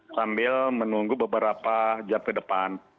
sambil menunggu beberapa jam ke depan